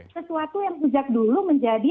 sesuatu yang sejak dulu menjadi